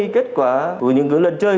kết quả của những lần chơi